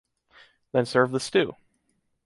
Then serve the stew.